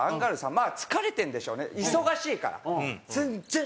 まあ疲れてるんでしょうね忙しいから。